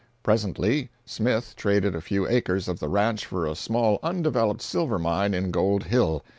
Presently Smith traded a few acres of the ranch for a small undeveloped silver mine in Gold Hill.